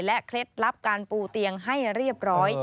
เคล็ดลับการปูเตียงให้เรียบร้อย